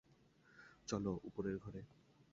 চলো উপরের ঘরে।